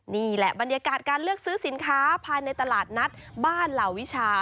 นี่แหละบรรยากาศการเลือกซื้อสินค้าภายในตลาดนัดบ้านเหล่าวิชา